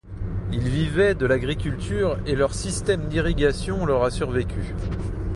Ils vivaient de l'agriculture et leur système d'irrigation leur a survécu.